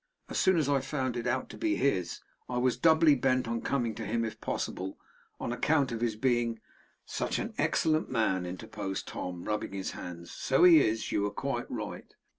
As soon as I found it to be his, I was doubly bent on coming to him if possible, on account of his being ' 'Such an excellent man,' interposed Tom, rubbing his hands: 'so he is. You were quite right.